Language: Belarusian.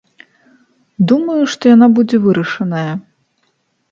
Думаю, што яна будзе вырашаная.